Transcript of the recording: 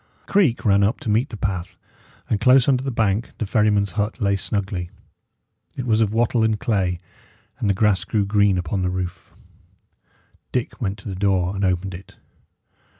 A creek ran up to meet the path, and close under the bank the ferryman's hut lay snugly. It was of wattle and clay, and the grass grew green upon the roof. Dick went to the door and opened it.